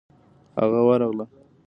هغه ورغله.